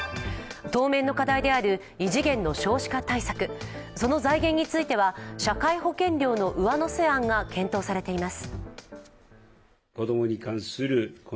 当面の課題である異次元の少子化対策その財源については、社会保険料の上乗せ案が検討されています。